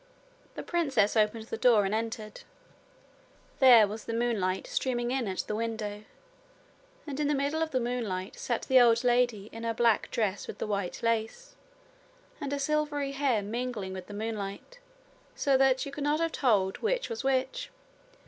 The princess opened the door and entered. There was the moonlight streaming in at the window, and in the middle of the moonlight sat the old lady in her black dress with the white lace, and her silvery hair mingling with the moonlight, so that you could not have told which was which.